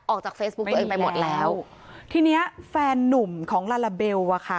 ออกจากเฟซบุ๊กตัวเองไปหมดแล้วทีเนี้ยแฟนนุ่มของลาลาเบลอ่ะค่ะ